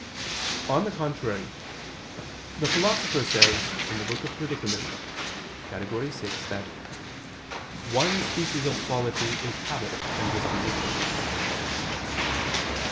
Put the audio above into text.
On the contrary, The Philosopher says in the Book of the Predicaments (Categor. vi) that "one species of quality is habit and disposition."